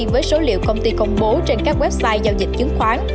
với số liệu công ty công bố trên các website giao dịch chứng khoán